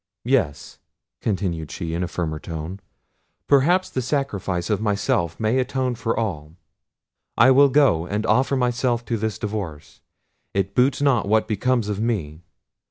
Yes," continued she in a firmer tone, "perhaps the sacrifice of myself may atone for all; I will go and offer myself to this divorce—it boots not what becomes of me.